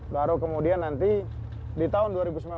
baru kemudian nanti di tahun dua ribu sembilan belas